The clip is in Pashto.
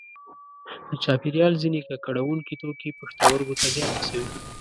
د چاپیریال ځینې ککړوونکي توکي پښتورګو ته زیان رسوي.